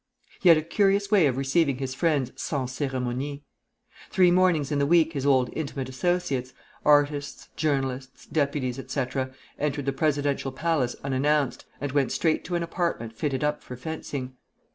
He had a curious way of receiving his friends sans cérémonie. Three mornings in the week his old intimate associates, artists, journalists, deputies, etc., entered the presidential palace unannounced, and went straight to an apartment fitted up for fencing.